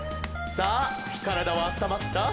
さあからだはあったまった？